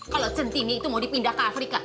kalau centini itu mau dipindah ke afrika